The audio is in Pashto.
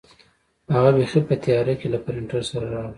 هغه بیخي په تیاره کې له پرنټر سره راغی.